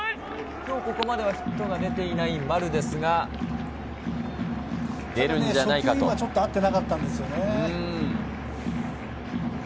今日ここまではヒットが出ていない丸ですが、初球が今ちょっと合ってなかったんですよね。